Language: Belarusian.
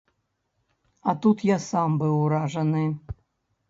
А тут я сам быў уражаны!